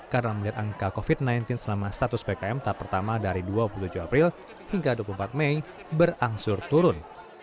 karena melihat angka covid sembilan belas selama status pkm tahap pertama dari dua puluh tujuh april hingga dua puluh empat mei berangsur turun